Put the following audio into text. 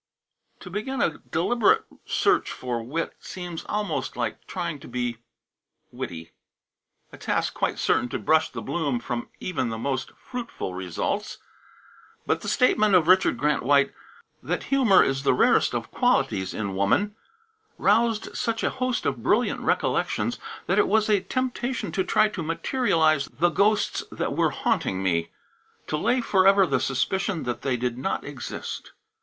To begin a deliberate search for wit seems almost like trying to be witty: a task quite certain to brush the bloom from even the most fruitful results. But the statement of Richard Grant White, that humor is the "rarest of qualities in woman," roused such a host of brilliant recollections that it was a temptation to try to materialize the ghosts that were haunting me; to lay forever the suspicion that they did not exist.